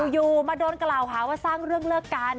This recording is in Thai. อยู่มาโดนกล่าวหาว่าสร้างเรื่องเลิกกัน